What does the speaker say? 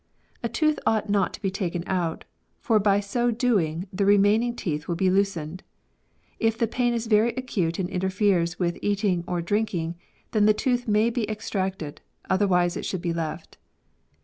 " A tooth ought not to be taken out, for by so doing the re. maming teeth will be loosened. If the pain is very acute and interferes with eating or drinking, then the tooth may be ex tracted; otherwise it should be left.